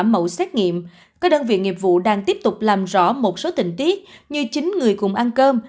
mẫu xét nghiệm các đơn vị nghiệp vụ đang tiếp tục làm rõ một số tình tiết như chính người cùng ăn cơm